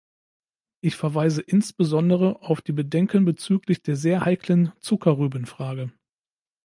Ich verweise insbesondere auf die Bedenken bezüglich der sehr heiklen Zuckerrübenfrage.